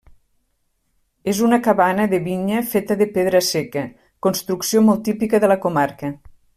És una cabana de vinya feta de pedra seca, construcció molt típica de la comarca.